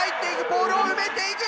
ポールを埋めていく！